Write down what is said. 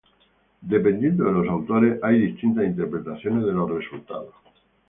Dependiendo de los autores, hay distintas interpretaciones de los resultados.